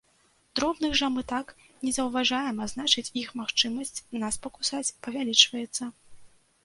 Дробных жа мы так не заўважаем, а значыць, іх магчымасць нас пакусаць павялічваецца.